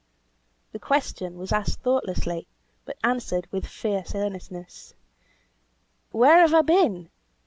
The question was asked thoughtlessly, but answered with fierce earnestness. "Where have I been?